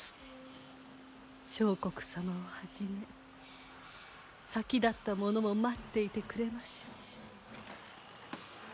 相国様をはじめ先立った者も待っていてくれましょう。